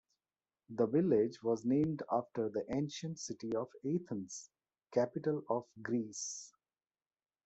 The village was named after the ancient city of Athens, capital of Greece.